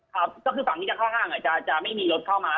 ครับก็คือฝั่งที่จะเข้าห้างจะไม่มีรถเข้ามา